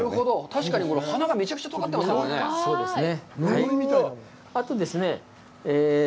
確かに鼻がめちゃくちゃとがってますね。